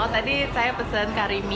tadi saya pesan karimi